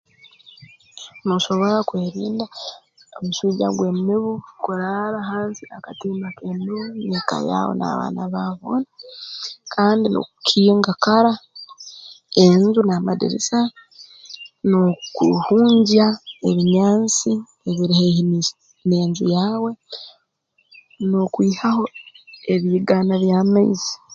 Noosobora kwerinda omuswija gw'emibu kuraara hansi y'akatimba k'emibu n'eka yaawe n'abaana baawe boona kandi n'okukinga kara enju n'amadirisa n'okuhungya ebinyansi ebiri haihi n'enju yaawe n'okwihaho ebiigaana by'amaizi